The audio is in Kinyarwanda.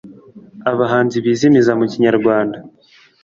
Abahanzi bazimiza mu Kinyarwanda